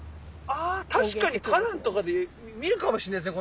あ確かに花壇とかで見るかもしれないですね